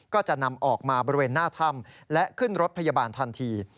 ก็จะนำออกมาบริเวณหน้าถ้ำและขึ้นรถพยาบาลทันที